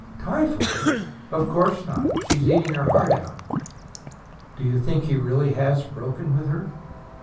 "Typhoid! Of course not. She's eating her heart out." "Do you think he has really broken with her?"